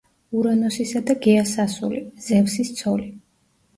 ურანოსისა და გეას ასული, ზევსის ცოლი.